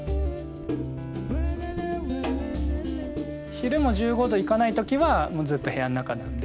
昼も１５℃いかない時はもうずっと部屋の中なんで。